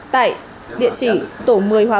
tại địa chỉ tổ môn